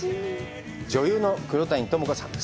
女優の黒谷友香さんです。